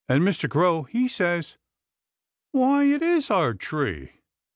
"] And Mr. Crow, he says, "Why, it is our tree!"